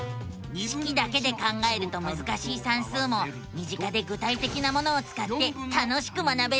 式だけで考えるとむずかしい算数も身近で具体的なものをつかって楽しく学べるのさ！